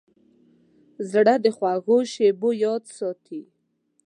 زړه د خوږو شیبو یاد ساتي.